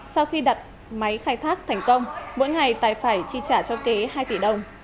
sau khi đặt máy khai thác thành công mỗi ngày tài phải chi trả cho kế hai tỷ đồng